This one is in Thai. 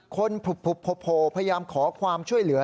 คนพุพุโพโพพยามขอความช่วยเหลือ